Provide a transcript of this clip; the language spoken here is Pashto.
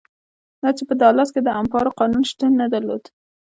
دا چې په دالاس کې د امپارو قانون شتون نه درلود.